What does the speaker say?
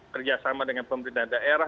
kerjasama dengan pemerintah daerah